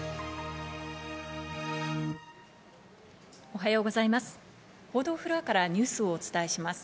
おはようございます。